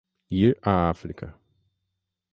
ir a África